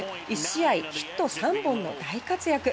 １試合ヒット３本の大活躍。